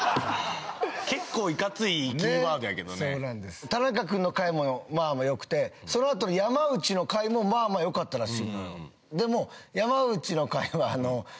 結構いかついキーワードやけどね田中くんの回もまあまあよくてそのあとの山内の回もまあまあよかったらしいのよ